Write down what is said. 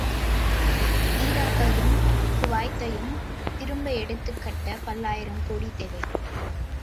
ஈராக்கையும் குவைத்தையும் திரும்ப எடுத்துக் கட்ட பல்லாயிரம் கோடி தேவை.